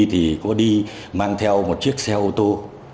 thì có đi mang theo một chiếc xe ô tô